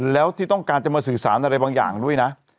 แล้วที่ต้องการจะมาสื่อสารอะไรบางอย่างด้วยนะ